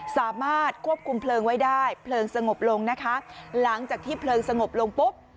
สามารถควบคุมเพลิงไว้ได้เพลิงสงบลงนะคะหลังจากที่เพลิงสงบลงปุ๊บ